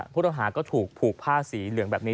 ผู้ต้องหาก็ถูกผูกผ้าสีเหลืองแบบนี้